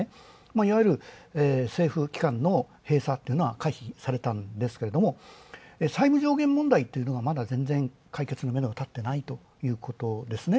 いわゆる政府機関の閉鎖というのは可否されたんですが債務上限問題はまだ解決のめどが立っていないということです。